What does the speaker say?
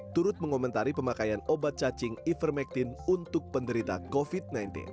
turut mengomentari pemakaian obat cacing ivermectin untuk penderita covid sembilan belas